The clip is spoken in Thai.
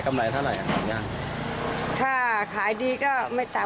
ก็ร้องอย่างนี้แหละ